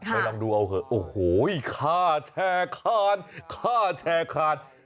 ลองดูเอาเถอะโอ้โหฆ่าแชร์คานฆ่าแชร์คาน